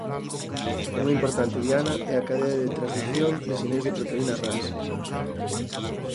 Unha importante diana é a cadea de transdución de sinais da proteína ras.